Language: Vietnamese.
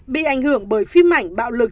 bị ảnh hưởng bởi phim ảnh bạo lực